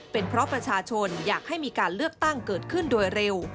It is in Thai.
เป็นเพราะประชาชนอยากให้มีการเลือกตั้งเกิดขึ้นโดยเร็ว